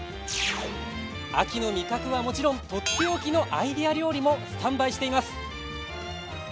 秋の味覚は、もちろんとっておきのアイデア料理もスタンバイしています。